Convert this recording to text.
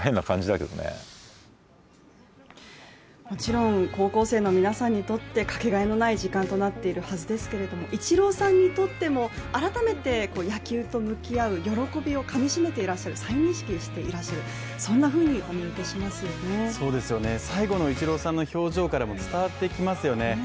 もちろん高校生の皆さんにとってかけがえのない時間となっているはずですけれどもイチローさんにとっても改めて野球と向き合う喜びをかみしめていらっしゃる再認識していらっしゃるそんなふうにお見受けしますね最後のイチローさんの表情からも伝わってきますよね。